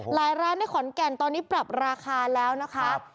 ร้านในขอนแก่นตอนนี้ปรับราคาแล้วนะคะ